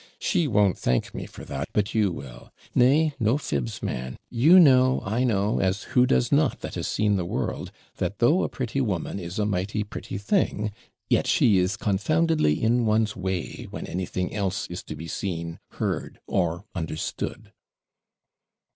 She won't thank me for that, but you will. Nay, no fibs, man; you know, I know, as who does not that has seen the world, that though a pretty woman is a mighty pretty thing, yet she is confoundedly in one's way, when anything else is to be seen, heard or understood.'